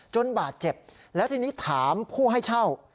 บาดเจ็บแล้วทีนี้ถามผู้ให้เช่า